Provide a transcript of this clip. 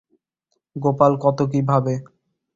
গোপাল কত কী ভাবে।